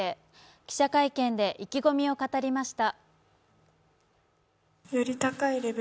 記者会見で意気込みを語りました。